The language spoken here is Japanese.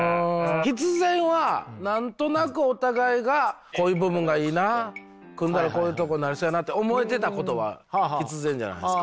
必然は何となくお互いがこういう部分がいいな組んだらこういうとこなりそうやなって思えてたことは必然じゃないすか。